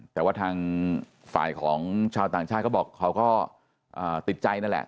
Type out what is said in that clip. แต่ว่าทางฝ่ายของชาวต่างชาติก็บอกเขาก็ติดใจนั่นแหละ